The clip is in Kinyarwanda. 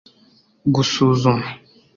gusuzuma